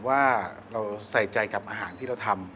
ว่าเราใส่ใจกับอาหารที่เราทำ